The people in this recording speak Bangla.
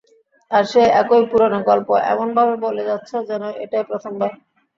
আর সেই একই পুরনো গল্প এমনভাবে বলে যাচ্ছ যেন এটাই প্রথমবার!